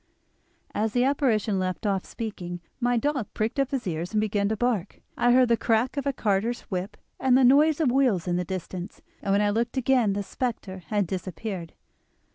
"As the apparition left off speaking my dog pricked up his ears and began to bark. I heard the crack of a carter's whip and the noise of wheels in the distance, and when I looked again the spectre had disappeared."